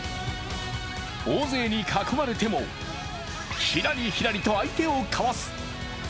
大勢に囲まれても、ひらりひらりと相手をかわす。